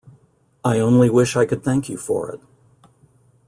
I only wish I could thank you for it.